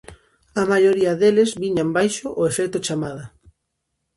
A maioría deles viñan baixo o efecto chamada.